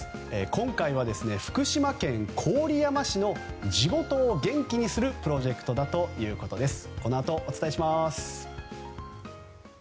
今回は、福島県郡山市の地元を元気にするプロジェクトだということです。